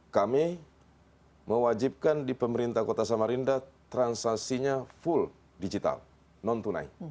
kami mewajibkan di pemerintah kota samarinda transaksinya full digital non tunai